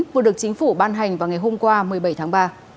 vừa được chính phủ ban hành vào ngày hôm qua một mươi bảy tháng ba